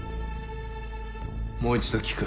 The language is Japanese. もう一度聞く。